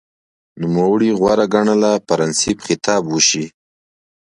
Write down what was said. نوموړي غوره ګڼله پرنسېپ خطاب وشي